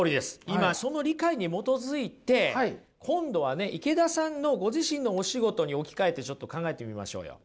今その理解に基づいて今度はね池田さんのご自身のお仕事に置き換えてちょっと考えてみましょうよ。